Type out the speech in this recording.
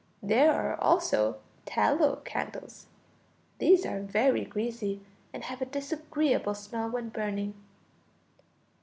There are also tallow candles; these are very greasy and have a disgreeable smell when burning.